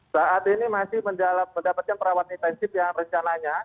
saat ini masih mendapatkan perawatan intensif yang rencananya